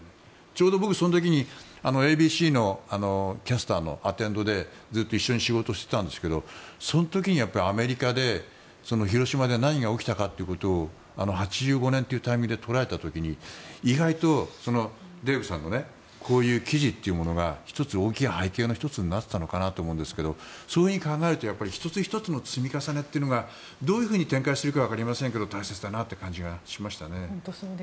ちょうど僕、その時にＡＢＣのキャスターのアテンドでずっと一緒に仕事をしてたんですが、その時にアメリカで広島で何が起きたかということを８５年というタイミングで捉えた時に意外と、デーブさんのこういう記事というものが大きい背景の１つになってたのかと思うんですけどそういうふうに考えると１つ１つの積み重ねがどういうふうに展開していくかは分かりませんが大切だなという気がしましたね。